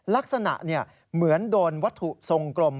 ลักษณะเหมือนโดนวัตถุทรงกลม